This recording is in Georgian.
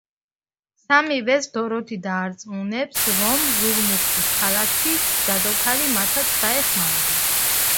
სამივეს დოროთი დაარწმუნებს, რომ ზურმუხტის ქალაქის ჯადოქარი მათაც დაეხმარება.